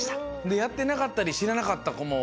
でやってなかったりしらなかったこも